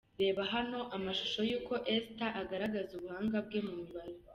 Reba hano amashusho y'uko Esther agaragaza ubuhanga bwe mu mibare.